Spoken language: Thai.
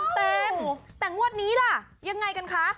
เต็มแต่งวดนี้ล่ะยังไงกันคะ